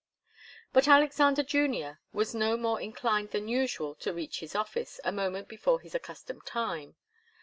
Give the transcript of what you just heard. But Alexander Junior was no more inclined than usual to reach his office a moment before his accustomed time.